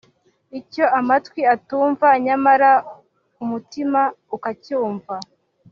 icyo amatwi atumva nyamara umutima ukacyumva